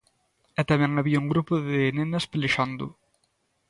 E tamén había un grupo de nenas pelexando.